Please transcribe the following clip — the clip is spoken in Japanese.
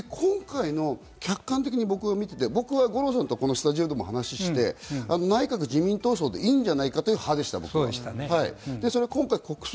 今回、客観的に僕は見ていて、五郎さんとスタジオで話をしていて、内閣自民党葬でもいいんじゃないかという派でした。